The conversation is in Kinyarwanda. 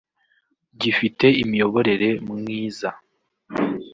gifite imiyoborere mwiza